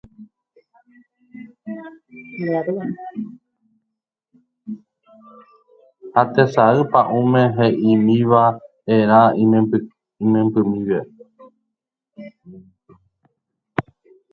ha tesay pa'ũme he'ímiva'erã imembymíme